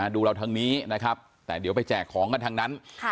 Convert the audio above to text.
ดูเราทางนี้นะครับแต่เดี๋ยวไปแจกของกันทั้งนั้น